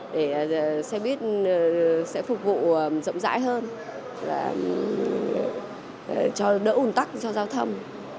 để xe buýt sẽ phục vụ rộng rãi hơn và đỡ ủn tắc cho giao thông